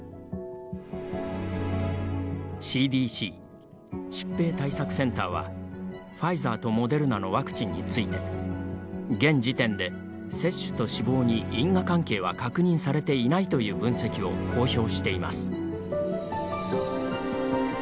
ＣＤＣ疾病対策センターはファイザーとモデルナのワクチンについて現時点で接種と死亡に因果関係は確認されていないという分析を公表しています。